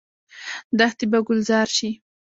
دښتې به ګلزار شي.